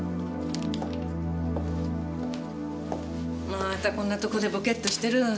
またこんな所でボケッとしてる！